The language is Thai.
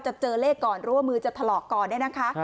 เจอเลขก่อนรู้ว่ามือจะถลอกนะคะ